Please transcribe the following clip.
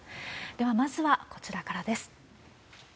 では、まずはこちらからです。